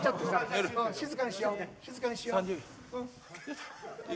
静かにしよう。